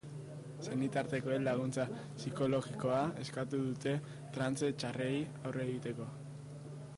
Senitartekoek laguntza psikologikoa eskatu dute trantze txarrari aurre egiteko.